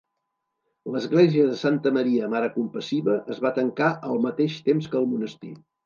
L'Església de Santa Maria Mare Compassiva es va tancar al mateix temps que el monestir.